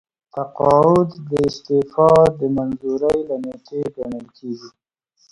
تقاعد د استعفا د منظورۍ له نیټې ګڼل کیږي.